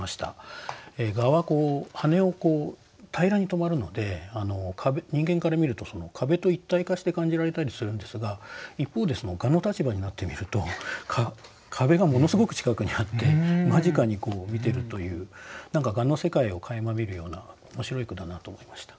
蛾は羽を平らに止まるので人間から見ると壁と一体化して感じられたりするんですが一方で蛾の立場になってみると壁がものすごく近くにあって間近に見てるという蛾の世界をかいま見るような面白い句だなと思いました。